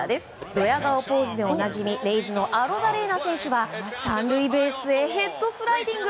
どや顔ポーズでおなじみレイズのアロザレーナ選手は３塁ベースへヘッドスライディング。